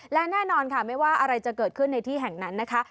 และแน่นอนค่ะไม่ว่าอะไรจะเกิดขึ้นในที่แห่งนั้นนะคะ